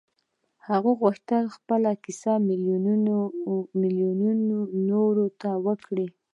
هغه غوښتل خپله کيسه ميليونو کڼو ته وکړي.